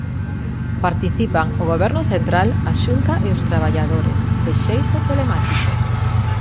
Participan o Goberno central, a Xunta e os traballadores, de xeito telemático.